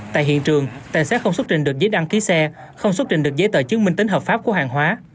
tại hiện trường tài xế không xuất trình được giấy đăng ký xe không xuất trình được giấy tờ chứng minh tính hợp pháp của hàng hóa